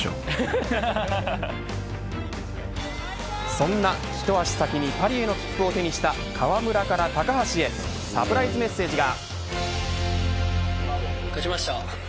そんな、ひと足先にパリへの切符を手にした河村から高橋へサプライズメッセージが。